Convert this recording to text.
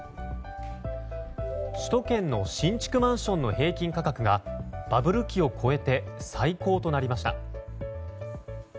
首都圏の新築マンションの平均価格がバブル期を超えて最高となりました。